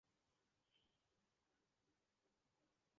cricketer Azhar Ali road safety unit کا حصہ بن گئے